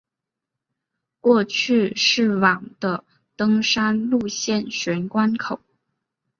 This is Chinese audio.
过去是往的登山路线玄关口。